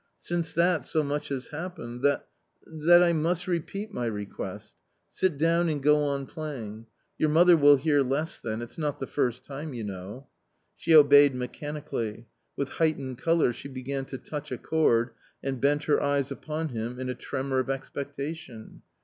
Since that so much has happened — that — that I must repeat my request. Sit down and go on playing; your mother will hear less then ; it's not the first time, you know " She obeyed mechanically ; with heightened colour she began to touch a chord and bent her eyes upon him in a tremour of expectation.